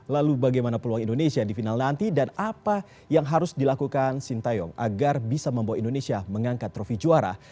lalu bagaimana peluang indonesia di final nanti dan apa yang harus dilakukan sintayong agar bisa membawa indonesia mengangkat trofi juara